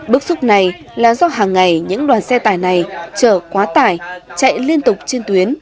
bức xúc này là do hàng ngày những đoàn xe tải này chở quá tải chạy liên tục trên tuyến